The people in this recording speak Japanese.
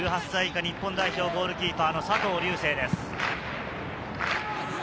１８歳以下日本代表ゴールキーパーの佐藤瑠星です。